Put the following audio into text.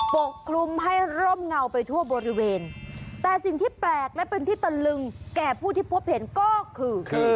ปกคลุมให้ร่มเงาไปทั่วบริเวณแต่สิ่งที่แปลกและเป็นที่ตะลึงแก่ผู้ที่พบเห็นก็คือ